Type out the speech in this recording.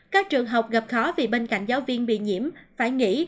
các trường học gặp khó vì bên cạnh giáo viên bị nhiễm phải nghỉ